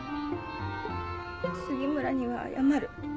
杉村には謝る。